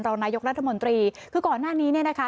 นายกรัฐมนตรีคือก่อนหน้านี้เนี่ยนะคะ